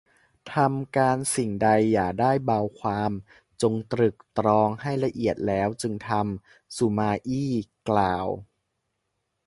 ทำการสิ่งใดอย่าได้เบาความ จงตรึกตรองให้ละเอียดแล้วจึงทำ สุมาอี้กล่าว